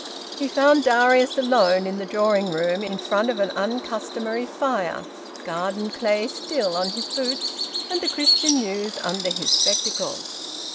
He found Darius alone in the drawing room, in front of an uncustomary fire, garden clay still on his boots, and "The Christian News" under his spectacles.